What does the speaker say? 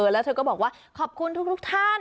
แล้วเธอก็บอกว่าขอบคุณทุกท่าน